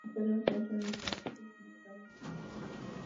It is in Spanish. El poder nacional es un intangible y, como tal, no se puede medir.